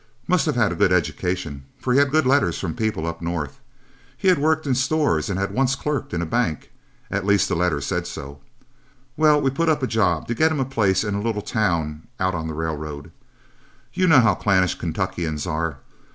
Must have had a good education, for he had good letters from people up North. He had worked in stores and had once clerked in a bank, at least the letters said so. Well, we put up a job to get him a place in a little town out on the railroad. You all know how clannish Kentuckians are.